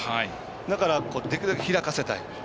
だから、できるだけ開かせたい。